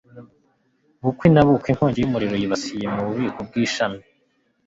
bukwi na bukwi, inkongi y'umuriro yibasiye mu bubiko bw'ishami